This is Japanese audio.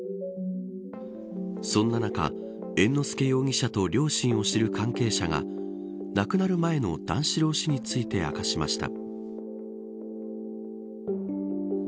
そんな中、猿之助容疑者と両親を知る関係者が亡くなる前の段四郎氏について明かしました。